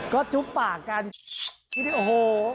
ก็จุ๊บปากกันคิดว่าโอ้โฮ